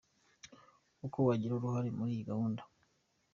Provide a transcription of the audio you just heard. Uko wagira uruhare muri iyi gahunda.